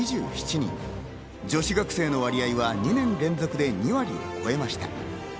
女子学生の割合は２年連続で２割を超えました。